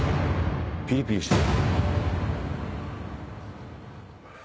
ピリピリしてる。